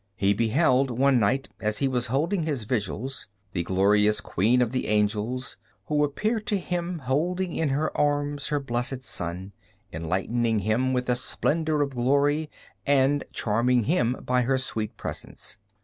He beheld one night, as he was holding his vigils, the glorious Queen of the angels, who appeared to him holding in her arms her Blessed Son, enlightening him with the splendor of glory and charming him by her sweet presence.